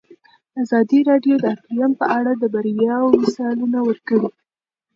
ازادي راډیو د اقلیم په اړه د بریاوو مثالونه ورکړي.